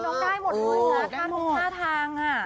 แปลวตาอะไรน้องได้หมดเลยค่ะท่านมี๕ทางค่ะ